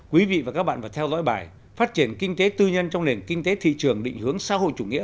quý vị và các bạn vừa theo dõi bài phát triển kinh tế tư nhân trong nền kinh tế thị trường định hướng xã hội chủ nghĩa